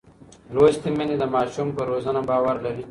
لوستې میندې د ماشوم پر روزنه باور لري.